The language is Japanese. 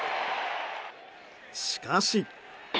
しかし。